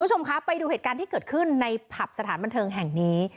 คุณผู้ชมคะไปดูเหตุการณ์ที่เกิดขึ้นในผับสถานบันเทิงแห่งนี้